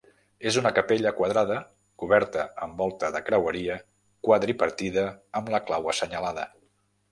És una capella quadrada coberta amb volta de creueria quadripartida amb la clau assenyalada.